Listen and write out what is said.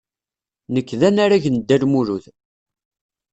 Nekk d anarag n Dda Lmulud.